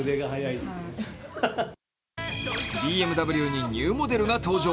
ＢＭＷにニューモデルが登場。